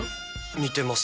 似てます。